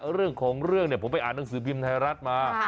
เรื่องของเรื่องเนี่ยผมไปอ่านหนังสือพิมพ์ไทยรัฐมา